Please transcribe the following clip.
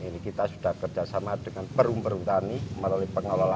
ini kita sudah kerjasama dengan perum perhutani melalui pengelolaan